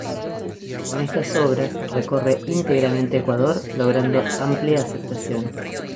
Con estas obras recorre íntegramente Ecuador, logrando amplia aceptación.